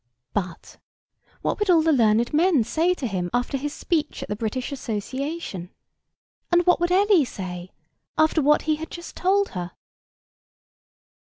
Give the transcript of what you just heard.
But—what would all the learned men say to him after his speech at the British Association? And what would Ellie say, after what he had just told her?